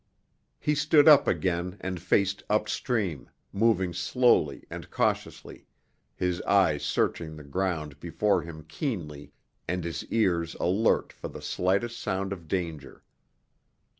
He stood up again and faced upstream, moving slowly and cautiously, his eyes searching the ground before him keenly and his ears alert for the slightest sound of danger.